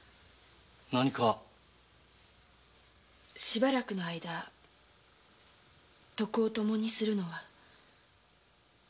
しばらくの間床を共にするのは。